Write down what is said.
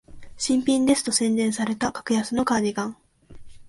新品ですと宣伝された格安のカーディガン